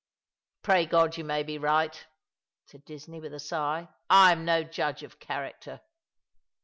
" Pray God you may be right," said Disney, with a sigh. " I am no judge of character."